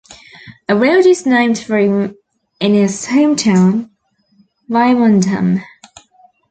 A road is named for him in his home town, Wymondham.